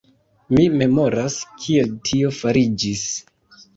Mi memoras, kiel tio fariĝis.